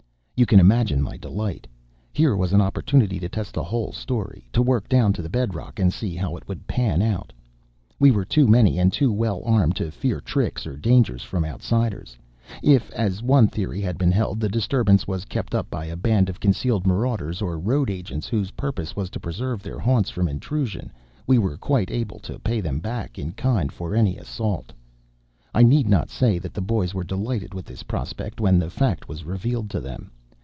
"You can imagine my delight! Here was an opportunity to test the whole story, to work down to the bed rock, and see how it would pan out! We were too many and too well armed to fear tricks or dangers from outsiders. If as one theory had been held the disturbance was kept up by a band of concealed marauders or road agents, whose purpose was to preserve their haunts from intrusion, we were quite able to pay them back in kind for any assault. I need not say that the boys were delighted with this prospect when the fact was revealed to them.